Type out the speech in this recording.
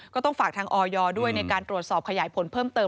ก็ต้องฝากทางออยด้วยในการตรวจสอบขยายผลเพิ่มเติม